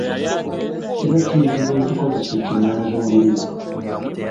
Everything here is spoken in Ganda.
Kiba kiyitiwa ekikozeso kinnanzungirizi .